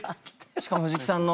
しかも藤木さんの。